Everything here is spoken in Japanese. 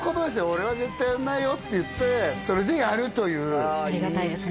「俺は絶対やんないよ」って言ってそれでやるというありがたいです